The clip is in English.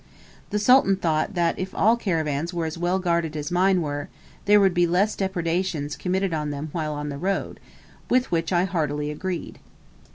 The Sultan thought that if all caravans were as well guarded as mine were, there would be less depredations committed on them while on the road; with which I heartily agreed.